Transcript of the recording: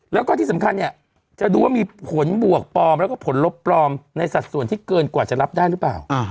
แล้วก็ที่สำคัญเนี่ยจะดูว่ามีผลบวกปลอมแล้วก็ผลลบปลอมในสัดส่วนที่เกินกว่าจะรับได้หรือเปล่า